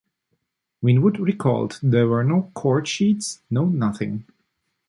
Winwood recalled, There were no chord sheets, no nothing.